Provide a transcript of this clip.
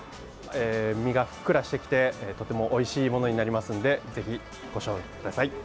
身がふっくらしてきて、とてもおいしいものになりますのでぜひ、ご賞味ください。